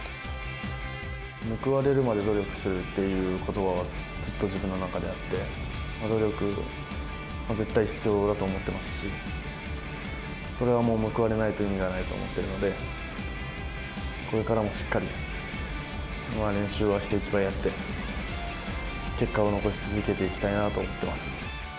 報われるまで努力するっていうことばが、ずっと自分の中であって、努力は絶対必要だと思ってますし、それはもう、報われないと意味がないと思っているので、これからもしっかり、練習は人一倍やって、結果を残し続けていきたいなと思っています。